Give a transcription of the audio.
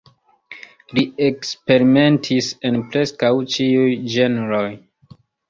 Li eksperimentis en preskaŭ ĉiuj ĝenroj.